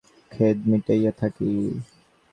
তাই আমি খেলা খেলিয়া ভালোবাসার খেদ মিটাইয়া থাকি।